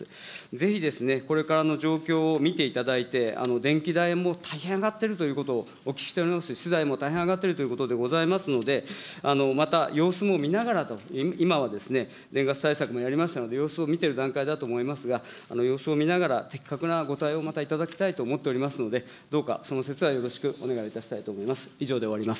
ぜひ、これからの状況を見ていただいて、電気代も大変上がっているということ、お聞きしておりますし、資材も大変上がっているということでございますので、また様子も見ながらと、今はですね、対策もやりましたので、様子を見ている段階だと思いますが、様子を見ながら、的確なご対応をまたいただきたいと思っておりますので、どうかその節はよろしくお願いいたしたいと思います。